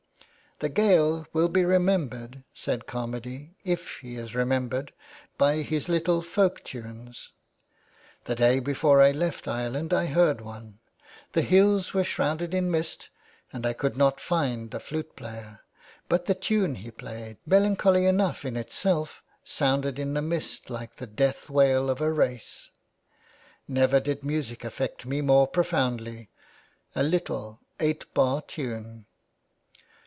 '' The Gael will be remembered," said Carmady, *' if he is remembered, by his little folk tunes. The day before I left Ireland I heard one. The hills were shrouded in mist and I could not find the flute player ; but the tune he played, melancholy enough in itself, sounded in the mist like the death wail of a race. Never did music affect me more profoundly — a little eight bar tune."